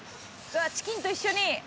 チキンと一緒に！